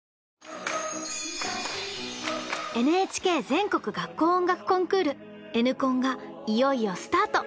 ＮＨＫ全国学校音楽コンクール「Ｎコン」がいよいよスタート！